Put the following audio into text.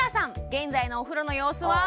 現在のお風呂の様子は？